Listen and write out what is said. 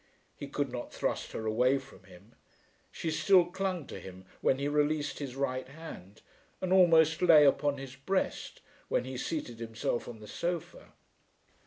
He could not thrust her away from him. She still clung to him when he released his right hand, and almost lay upon his breast when he seated himself on the sofa.